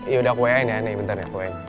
yaudah aku wa in ya nih bentar ya aku wa in